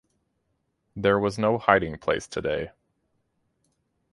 There was no hiding place today.